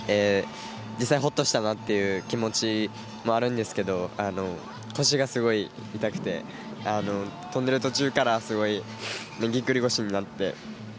実際ほっとしたなという気持ちもあるんですけど腰がすごい痛くて跳んでる途中からすごいぎっくり腰になって。